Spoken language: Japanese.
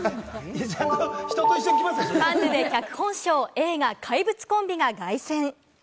カンヌで脚本賞、映画『怪物』コンビが凱旋。